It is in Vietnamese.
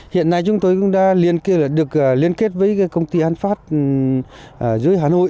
hiện nay chúng tôi cũng đã được liên kết với công ty an phát dưới hà nội